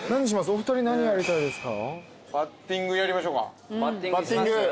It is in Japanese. お二人何やりたいですか？